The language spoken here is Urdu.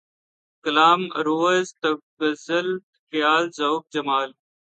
کلام ، عَرُوض ، تغزل ، خیال ، ذوق ، جمال